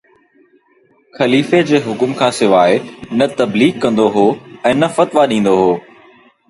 خليفي جي حڪم کان سواءِ نه تبليغ ڪندو هو ۽ نه فتويٰ ڏيندو هو